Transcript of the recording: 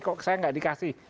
kok saya nggak dikasih